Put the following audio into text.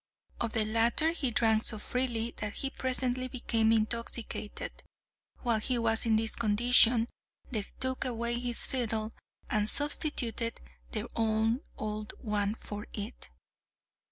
Of the latter he drank so freely that he presently became intoxicated. While he was in this condition, they took away his fiddle, and substituted their own old one for it.